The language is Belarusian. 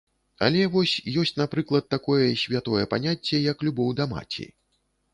Але вось ёсць, напрыклад, такое святое паняцце, як любоў да маці.